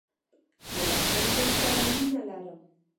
زه له خپل ژوند سره مينه لرم.